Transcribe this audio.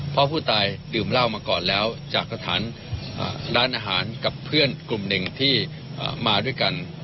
เพราะผู้ตายดื่มเหล้ามาก่อนแล้วจากสถานร้านอาหารกับเพื่อนกลุ่มหนึ่งที่มาด้วยกัน